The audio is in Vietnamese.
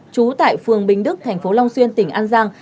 trú tại phường bình đức thành phố long xuyên tỉnh an giang